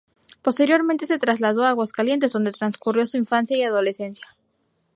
Posteriormente, se trasladó a Aguascalientes, donde transcurrió su infancia y adolescencia.